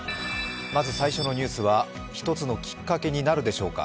まず最初のニュースは一つのきっかけになるでしょうか。